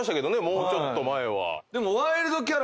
もうちょっと前は。